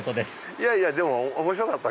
いやいやでも面白かった。